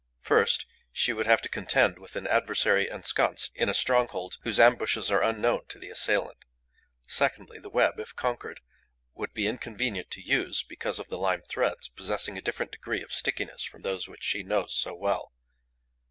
First, she would have to contend with an adversary ensconced in a stronghold whose ambushes are unknown to the assailant. Secondly, the web, if conquered, would be inconvenient to use, because of the lime threads, possessing a different degree of stickiness from those which she knows so well.